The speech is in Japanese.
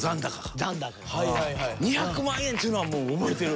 ２００万円っていうのはもう覚えてる。